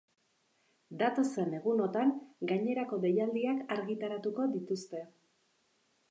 Datozen egunotan gainerako deialdiak argitaratuko dituzte.